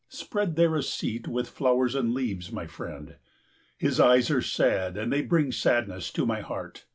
Spread there a seat with flowers and leaves, my friend. His eyes are sad, and they bring sadness to my heart.